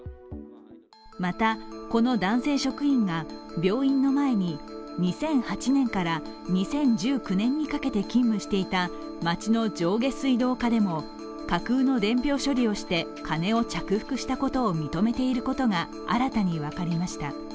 また、この男性職員が病院の前に２０１８年から２０１９年にかけて勤務していた町の上下水道課でも架空の伝票処理をして、金を着服していたことを認めていることが新たに分かりました。